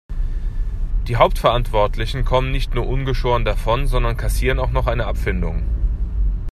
Die Hauptverantwortlichen kommen nicht nur ungeschoren davon, sondern kassieren auch noch eine Abfindung.